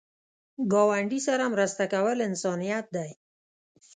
ګاونډي سره مرسته کول انسانیت دی